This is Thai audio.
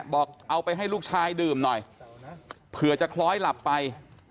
บอกเอาไปให้ลูกชายดื่มหน่อยเผื่อจะคล้อยหลับไป